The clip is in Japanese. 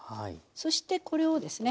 そしてこれをですね